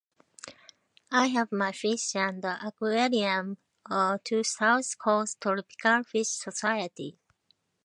I leave my fish and aquarium to South Coast Tropical Fish Society.